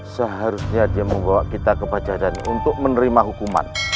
seharusnya dia membawa kita ke pajadani untuk menerima hukuman